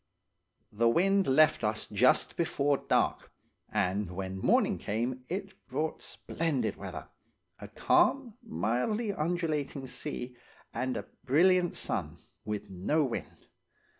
"The wind left us just before dark, and when morning came it brought splendid weather–a calm, mildly undulating sea, and a brilliant sun, with no wind.